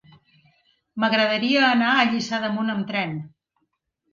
M'agradaria anar a Lliçà d'Amunt amb tren.